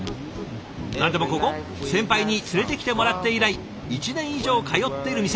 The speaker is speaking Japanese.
何でもここ先輩に連れてきてもらって以来１年以上通っている店。